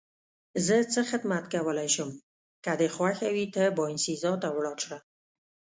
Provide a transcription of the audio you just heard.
زه څه خدمت کولای شم؟ که دې خوښه وي ته باینسیزا ته ولاړ شه.